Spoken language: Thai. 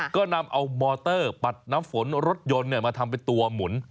ก็นำเอามอเตอร์ปัดน้ำฝนรถยนต์มาทำเป็นตัวหมุน